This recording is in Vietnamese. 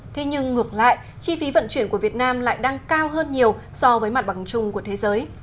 thế nhưng ngược lại chi phí vận chuyển của việt nam lại đang cao hơn nhiều so với mặt bằng chung của thế giới